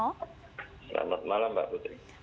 selamat malam mbak putri